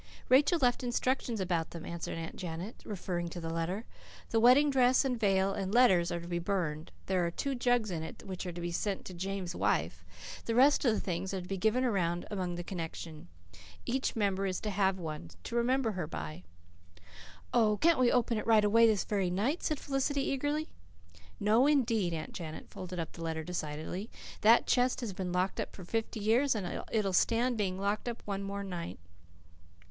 "Rachel left instructions about them," answered Aunt Janet, referring to the letter. "The wedding dress and veil and letters are to be burned. There are two jugs in it which are to be sent to James' wife. The rest of the things are to be given around among the connection. Each members is to have one, 'to remember her by.'" "Oh, can't we open it right away this very night?" said Felicity eagerly. "No, indeed!" Aunt Janet folded up the letter decidedly. "That chest has been locked up for fifty years, and it'll stand being locked up one more night.